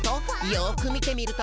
「よく見てみると」